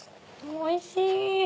おいしい！